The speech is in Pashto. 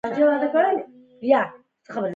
ډویډ باک وایي عملونه ژوند بدلوي.